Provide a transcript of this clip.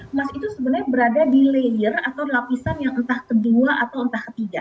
emas itu sebenarnya berada di layer atau lapisan yang entah kedua atau entah ketiga